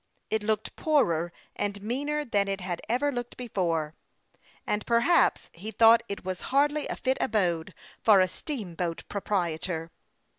It looked poorer and meaner than it had ever looked before ; and perhaps he thought it was hardly a fit abode for a steamboat proprietor.